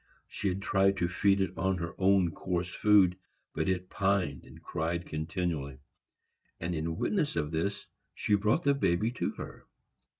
She had tried to feed it on her own coarse food, but it pined and cried continually; and in witness of this she brought the baby to her.